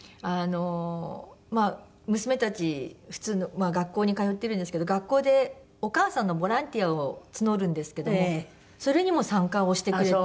まあ娘たち普通の学校に通ってるんですけど学校でお母さんのボランティアを募るんですけどもそれにも参加をしてくれて。